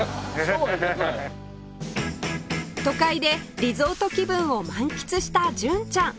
都会でリゾート気分を満喫した純ちゃん